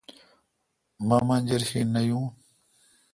مہ منجر شی نہ یون